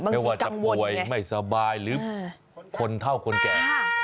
ไม่ว่าจะป่วยไม่สบายหรือคนเท่าคนแก่